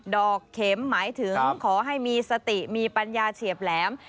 อกเข็มหมายถึงขอให้มีสติมีปัญญาเฉียบแหลม